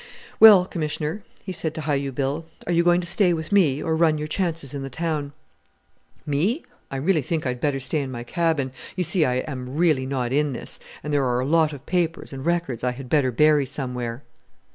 Well, Commissioner," he said to Hi u Bill, "are you going to stay with me, or run your chances in the town?" "Me! I really think I'd better stay in my cabin. You see I am really not in this, and there are a lot of papers and records I had better bury somewhere."